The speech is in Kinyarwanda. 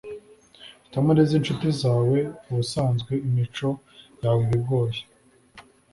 hitamo neza incuti zawe ubusanzwe imico yawe iba igoye